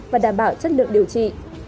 và đảm bảo chất lượng điều trị